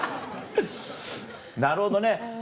なるほどね。